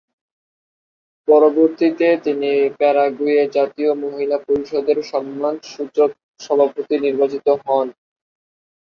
পরবর্তীতে তিনি প্যারাগুয়ের জাতীয় মহিলা পরিষদের সম্মানসূচক সভাপতি নির্বাচিত হন।